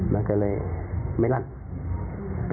มันก็เลยไม่รับ